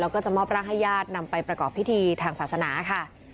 แล้วก็จะมอบร่างให้ญาตินำไปประกอบพิธีทางศาสนาค่ะ